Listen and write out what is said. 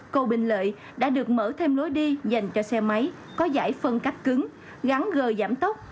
cầu bình lợi đã được mở thêm lối đi dành cho xe máy có giải phân cách cứng gắn gờ giảm tốc